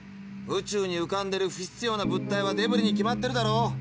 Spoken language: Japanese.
宇宙にうかんでる不必要な物体はデブリに決まってるだろ。